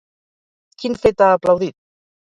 Quin fet ha aplaudit?